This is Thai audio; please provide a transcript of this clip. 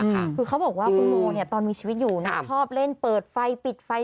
คือเขาบอกว่าคุณโมเนี่ยตอนมีชีวิตอยู่ชอบเล่นเปิดไฟปิดไฟ